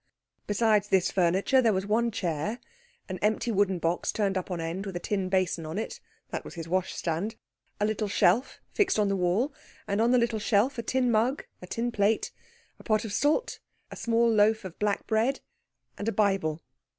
Besides this furniture, there was one chair, an empty wooden box turned up on end, with a tin basin on it that was his washstand a little shelf fixed on the wall, and on the little shelf a tin mug, a tin plate, a pot of salt, a small loaf of black bread, and a Bible.